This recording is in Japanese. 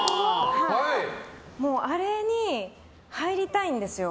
あれに入りたいんですよ。